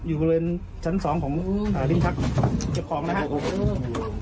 อยู่บริเวณชั้นสองของอืมอ่าริมทักเจ็บของนะฮะอืม